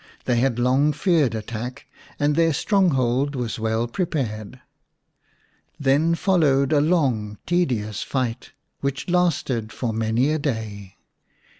They had long feared attack, and their stronghold was well prepared. Then followed a long, tedious fight, which lasted for many a day.